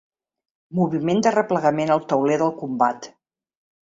Moviment de replegament al tauler del combat.